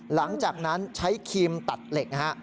หลังจากนั้นใช้ครีมตัดเหล็กนะฮะ